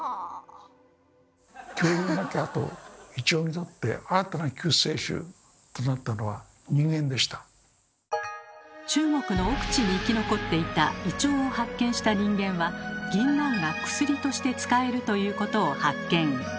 イチョウにとって中国の奥地に生き残っていたイチョウを発見した人間はぎんなんが薬として使えるということを発見。